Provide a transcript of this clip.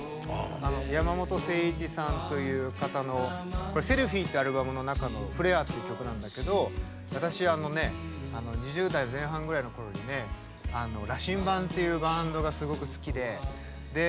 山本精一さんという方の「セルフィー」ってアルバムの中の「フレア」っていう曲なんだけど私、２０代前半ぐらいのころにね羅針盤っていうバンドがすごく好きで。